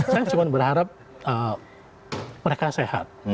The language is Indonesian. saya cuma berharap mereka sehat